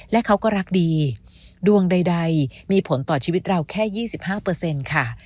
และเขาก็รักดีดวงใดมีผลต่อชีวิตเราแค่๒๕ค่ะ